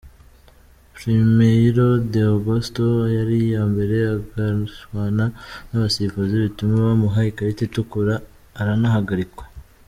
Primeiro de Agosto yari iya mbere, agashwana n’abasifuzi bituma bamuha ikarita itukura aranahagarikwa.